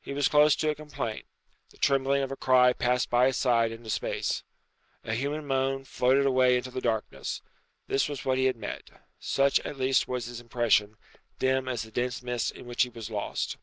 He was close to a complaint. The trembling of a cry passed by his side into space. A human moan floated away into the darkness. This was what he had met. Such at least was his impression, dim as the dense mist in which he was lost.